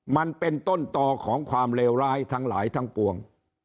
มันเป็นต้นต่อของความเลวร้ายทั้งหลายทั้งปวง